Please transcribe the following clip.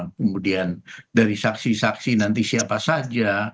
kemudian dari saksi saksi nanti siapa saja